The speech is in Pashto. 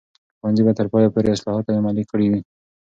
ښوونځي به تر پایه پورې اصلاحات عملي کړي وي.